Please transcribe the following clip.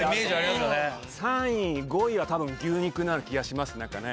３位５位は多分牛肉になる気がしますなんかね。